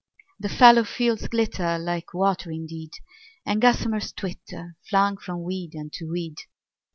The fallow fields glitter like water indeed, And gossamers twitter, flung from weed unto weed.